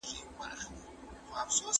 دغه ليکنه باید په پښتو کي نوي شي.